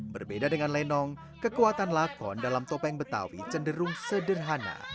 berbeda dengan lenong kekuatan lakon dalam topeng betawi cenderung sederhana